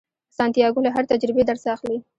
سانتیاګو له هرې تجربې درس اخلي.